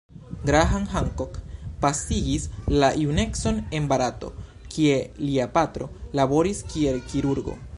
Graham Hancock pasigis la junecon en Barato, kie lia patro laboris kiel kirurgo.